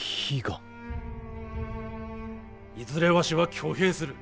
いずれわしは挙兵する。